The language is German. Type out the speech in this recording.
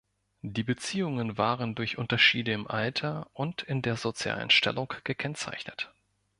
Die Beziehungen waren durch Unterschiede im Alter und in der sozialen Stellung gekennzeichnet.